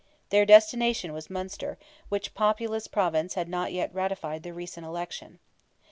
Their destination was Munster, which populous province had not yet ratified the recent election.